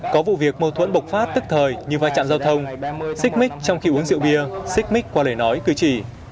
có vụ việc mâu thuẫn bộc phát tức thời như vai trạm giao thông xích mít trong khi uống rượu bia xích mít qua lời nói cười chỉ